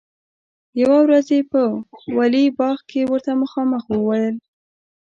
یوه ورځ یې په ولي باغ کې ورته مخامخ وویل.